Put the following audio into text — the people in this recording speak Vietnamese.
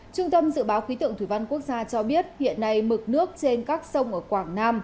trung tâm dự báo khí tượng thủy văn quốc gia cho biết hiện nay mực nước trên các sông ở quảng nam